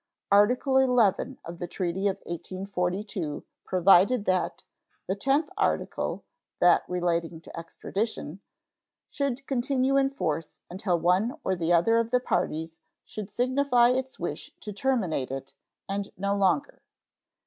Article XI of the treaty of 1842 provided that "the tenth article [that relating to extradition] should continue in force until one or the other of the parties should signify its wish to terminate it, and no longer."